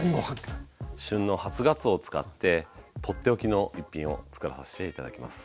旬の初がつおを使って取って置きの１品を作らさして頂きます。